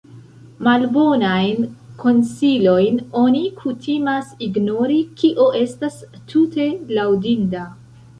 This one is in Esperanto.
Malbonajn konsilojn oni kutimas ignori, kio estas tute laŭdinda.